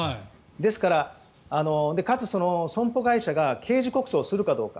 ですから、かつ、損保会社が刑事告訴をするかどうか。